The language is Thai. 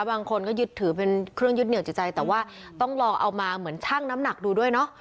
บางคนก็ยึดถือเป็นเครื่องยึดเหนียวจิตใจแต่ว่าต้องลองเอามาเหมือนชั่งน้ำหนักดูด้วยเนาะ